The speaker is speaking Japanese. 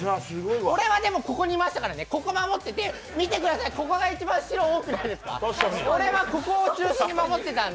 俺はここにいましたからね、ここ守ってて見てください、ここが一番白多くて俺はここを中心に守ってたんで。